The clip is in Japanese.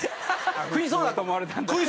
食いそうだと思われたんじゃない？